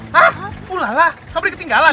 hah ulah lah sobri ketinggalan